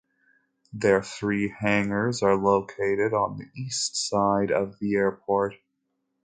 Their three hangars are located on the east side of the airport.